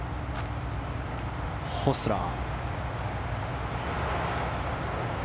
ホスラー。